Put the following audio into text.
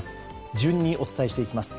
順にお伝えしていきます。